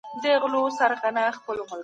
اسلامي شريعت فردي ملکيت په سم ډول ساتي.